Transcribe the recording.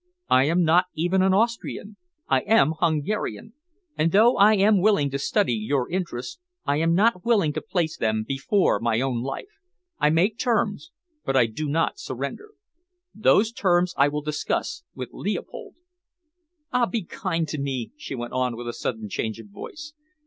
I am not even an Austrian. I am Hungarian, and though I am willing to study your interests, I am not willing to place them before my own life. I make terms, but I do not surrender. Those terms I will discuss with Leopold. Ah, be kind to me!" she went on, with a sudden change of voice.